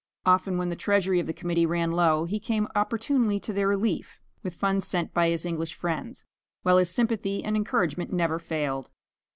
Often when the treasury of the Committee ran low, he came opportunely to their relief with funds sent by his English friends, while his sympathy and encouragement never failed.